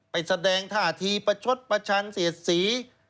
ไปแสดงท่าทีประชดประชันเสียดสี